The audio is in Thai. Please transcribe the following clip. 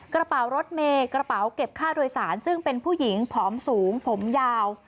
กระเป๋ารถเมย์กระเป๋าเก็บค่าโดยสารซึ่งเป็นผู้หญิงผอมสูงผมยาว